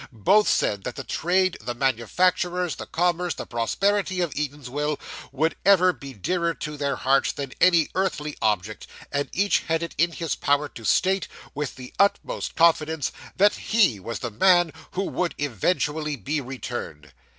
Both said that the trade, the manufactures, the commerce, the prosperity of Eatanswill, would ever be dearer to their hearts than any earthly object; and each had it in his power to state, with the utmost confidence, that he was the man who would eventually be returned.